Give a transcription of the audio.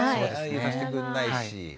入れさせてくんないし。